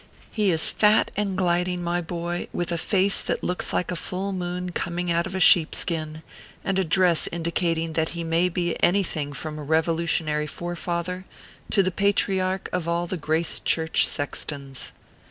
He is fat and gliding, my boy, with a face that looks like a full moon coming out of a sheepskin, and a dress indicating that he may be anything from a Revolu tionary Forefather to the patriarch of all the Grace Church sextons.